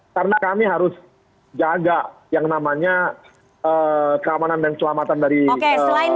karena kami harus jaga yang namanya keamanan dan keselamatan dari pertandingan gula kita